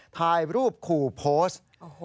ถ่ายรูปขู่โพสต์